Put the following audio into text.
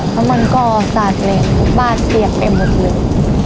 แล้วมันก็สาดเหล็กบ้านเปียกไปหมดเลย